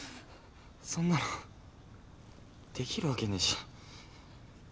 そんなのできるわけねえじゃん。